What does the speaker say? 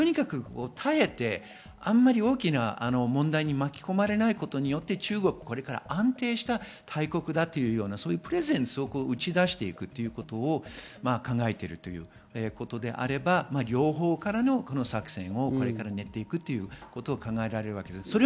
耐えて、あまり大きな問題に巻き込まれないことによって中国、これから安定した大国だというようなプレゼンツを打ち出していくということを考えているということであれば、両方からの作戦もこれから練っていくということが考えられます。